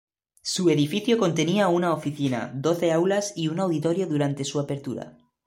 Su edificio contenía una oficina, doce aulas y un auditorio durante su apertura.